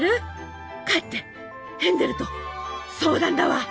帰ってヘンゼルと相談だわ。